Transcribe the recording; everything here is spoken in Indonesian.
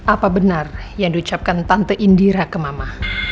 apa benar yang diucapkan tante indira ke mama